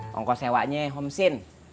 kongkos hewanya homesin